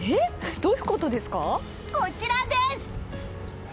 こちらです！